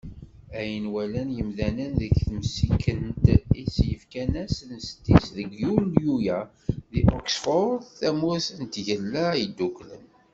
Ayen walan yimdanen deg temsikent i yekfan ass n sḍis deg yulyu-a, di Oxford, tamurt n Tgelda Yedduklen.